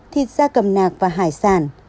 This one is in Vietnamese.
thịt da cầm nạc và hải sản